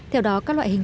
theo đó các loại hình